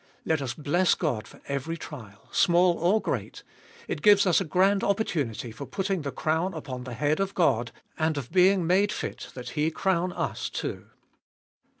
Let us bless God for every trial, small or great : it gives us a grand opportunity for putting the crown upon the head of God, and of being made fit that He crown us too.